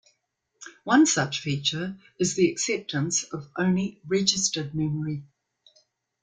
One such feature is the acceptance of only registered memory.